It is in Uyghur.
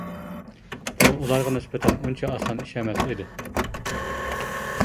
بۇ ئۇلارغا نىسبەتەن ئۇنچە ئاسان ئىش ئەمەس ئىدى.